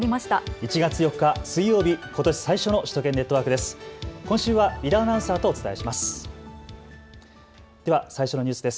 １月４日水曜日、ことし最初の首都圏ネットワークです。